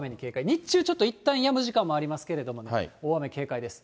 日中、ちょっといったんやむ時間もありますけどね、大雨警戒です。